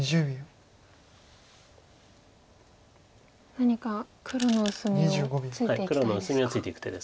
何か黒の薄みをついていきたいですか。